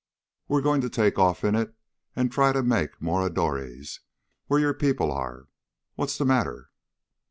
We're going to take off in it and try to make Moradores, where your people are. What's the matter?"